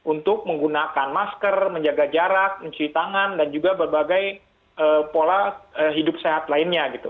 untuk menggunakan masker menjaga jarak mencuci tangan dan juga berbagai pola hidup sehat lainnya gitu